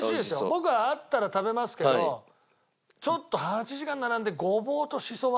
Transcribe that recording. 僕はあったら食べますけどちょっと８時間並んでごぼうとしそは。